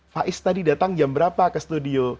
faiz tadi datang jam berapa ke studio